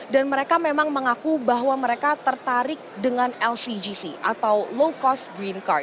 dan mereka memang mengaku bahwa mereka tertarik dengan lcgc atau low cost green car